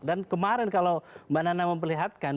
dan kemarin kalau mbak nana memperlihatkan